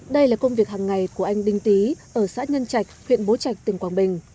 đây là công việc hàng ngày của anh đinh tý ở xã nhân trạch huyện bố trạch tỉnh quảng bình